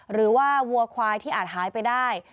วัวควายที่อาจหายไปได้